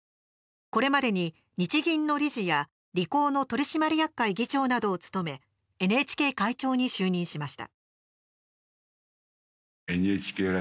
これまでに日銀の理事やリコーの取締役会議長などを務めＮＨＫ会長に就任しました。